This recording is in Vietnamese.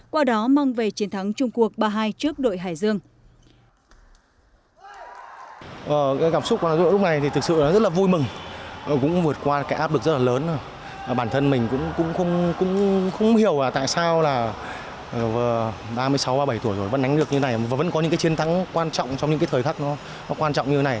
qua đó mong về chiến thắng trung quốc ba hai trước đội hải dương